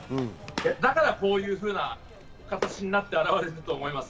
だからこういうふうな形になって表れていると思います。